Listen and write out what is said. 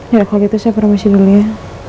ya kalau gitu saya permasin dulu ya